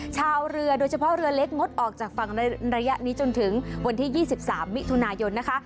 ชาวเรือโดยเฉพาะเรือเล็กงดออกจากฝั่งระยะนี้จนถึงวันที่๒๓มิถุนายนนะคะ